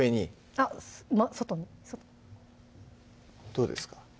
あっ外に外にどうですか？